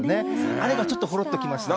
あれがちょっとほろっときましたね。